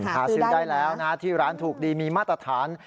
หาซื้อได้แล้วนะที่ร้านถูกดีมีมาตรฐาน